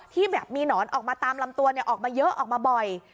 ที่แบบมีหนอนออกมาตามลำตัวออกมาเยอะออกมาบ่อย